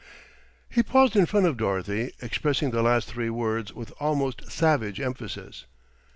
He paused in front of Dorothy, expressing the last three words with almost savage emphasis.